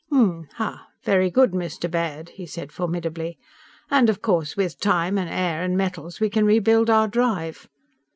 "Hm m m. Hah! Very good, Mr. Baird," he said formidably. "_And of course with time and air and metals we can rebuild our drive.